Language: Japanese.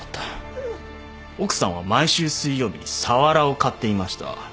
ううっ奥さんは毎週水曜日にサワラを買っていました。